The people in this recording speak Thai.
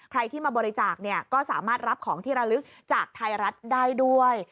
ใครที่มาบริจาคเนี่ยก็สามารถรับของที่ระลึกจากไทยรัฐได้ด้วย